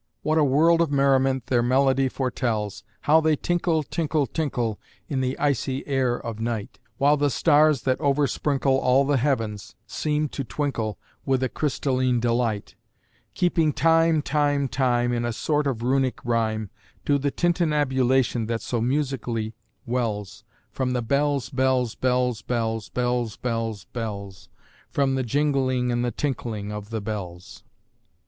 What a world of merriment their melody foretells! How they tinkle, tinkle, tinkle, In the icy air of night! While the stars, that oversprinkle All the heavens, seem to twinkle With a crystalline delight; Keeping time, time, time, In a sort of Runic rhyme, To the tintinnabulation that so musically wells From the bells, bells, bells, bells, Bells, bells, bells From the jingling and the tinkling of the bells.